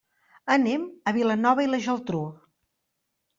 Anem a Vilanova i la Geltrú.